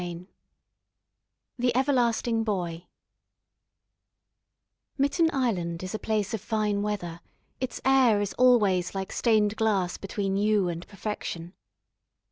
CHAPTER III THE EVERLASTING BOY Mitten Island is a place of fine weather, its air is always like stained glass between you and perfection.